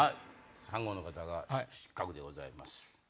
３号の方が失格でございます。